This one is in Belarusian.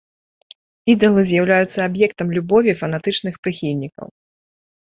Ідалы з'яўляюцца аб'ектам любові фанатычных прыхільнікаў.